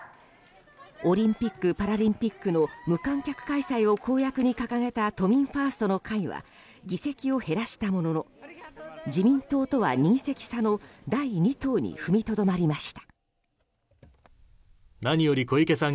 オリンピック・パラリンピックの無観客開催を公約に掲げた都民ファーストの会は議席を減らしたものの自民党とは２議席差の第二党に踏みとどまりました。